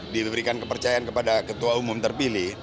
diberikan kepercayaan kepada ketua umum terpilih